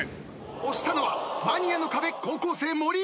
押したのはマニアの壁高校生森。